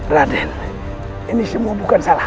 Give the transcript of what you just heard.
raden ini semua bukan salah